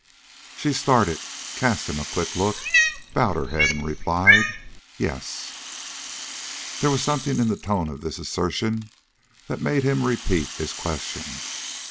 She started, cast him a quick look, bowed her head, and replied: "Yes." There was something in the tone of this assertion that made him repeat his question.